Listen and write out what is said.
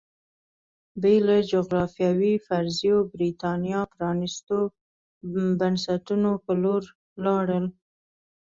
بې له جغرافیوي فرضیو برېټانیا پرانېستو بنسټونو په لور لاړل